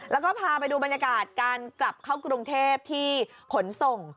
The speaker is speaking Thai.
แล้วก็พาไปดูบรรยากาศการกลับเข้ากรุงเทพที่ขนส่ง